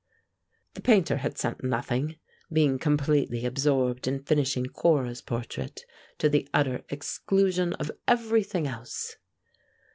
The Painter had sent nothing, being completely absorbed in finishing Cora's portrait, to the utter exclusion of everything else.